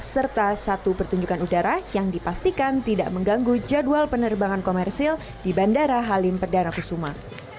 serta satu pertunjukan udara yang dipastikan tidak mengganggu jadwal penerbangan komersil di bandara halim perdana kusuma